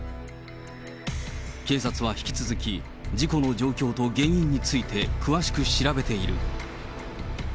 警察は引き続き、事故の状況と原因について詳しく調べている。